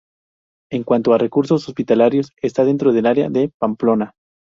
En cuanto a recursos hospitalarios está dentro del Área de Pamplona.